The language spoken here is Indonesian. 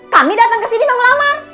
kami datang kesini mengelamar